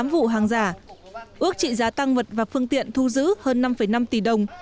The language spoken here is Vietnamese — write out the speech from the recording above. tám vụ hàng giả ước trị giá tăng vật và phương tiện thu giữ hơn năm năm tỷ đồng